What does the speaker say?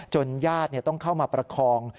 จนญาติเนี่ยต้องเข้ามาประคอง